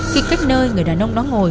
khi cách nơi người đàn ông đó ngồi